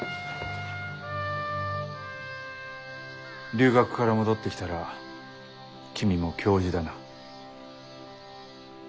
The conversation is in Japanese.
留学から戻ってきたら君も教授だな。